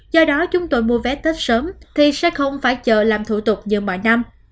do đó chúng tôi mua vé tết sớm thì sẽ không phải chờ làm thủ tục như mọi năm